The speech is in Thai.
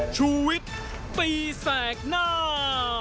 ชูเว็ตตีแสงหน้า